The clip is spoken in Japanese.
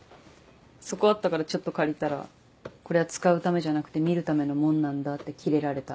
そこあったからちょっと借りたら「これは使うためじゃなくて見るためのもんなんだ」ってキレられた。